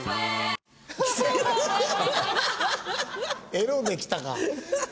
エロできたか！